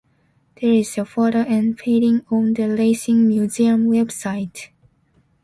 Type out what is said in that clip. There is a photo and painting on the Racing museum website.